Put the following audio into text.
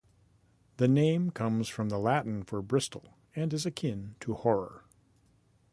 The name comes from the Latin for bristle, and is akin to horror.